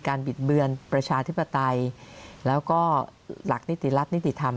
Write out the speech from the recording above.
บิดเบือนประชาธิปไตยแล้วก็หลักนิติรัฐนิติธรรม